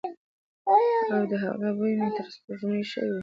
او د هغه بوی مې تر سپوږمو شوی وی.